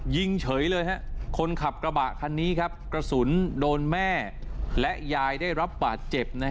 ยิงเฉยเลยคนขับกระบะคันนี้ครับกระสุนโดนแม่และยายได้รับบาดเจ็บ